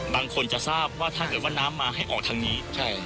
บางคนจะทราบว่าถ้าเกิดว่าน้ำมาให้ออกทางนี้